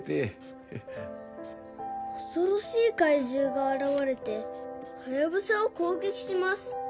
「恐ろしい怪獣が現れてハヤブサを攻撃します」